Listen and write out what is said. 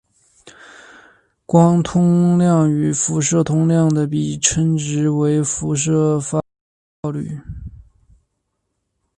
光通量与辐射通量的比值称为辐射发光效率。